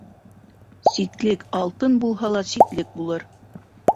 Ситлек алтын булһа ла, ситлек булыр.